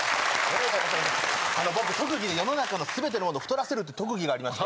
あの僕特技世の中の全ての物太らせるって特技がありまして。